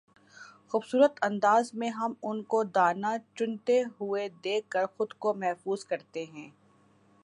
خوبصورت انداز میں ہم ان کو دانہ چنتے ہوئے دیکھ کر خود کو محظوظ کرتے ہیں